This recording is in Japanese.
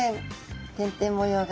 点々模様が。